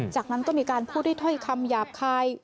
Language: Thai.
จากนั้นก็มีการพูดด้วยถ้อยคำหยาบคาย